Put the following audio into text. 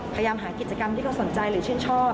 พยายามหากิจกรรมที่เขาสนใจหรือชื่นชอบ